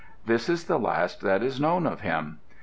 This is the last that is known of him.